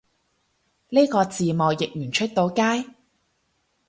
呢個字幕譯完出到街？